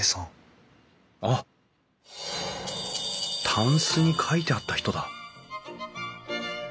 たんすに書いてあった人だ！